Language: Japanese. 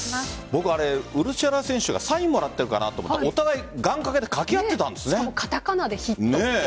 ウルシェラ選手がサインをもらってるのかなと思ったらお互い、願掛けでカタカナでヒット。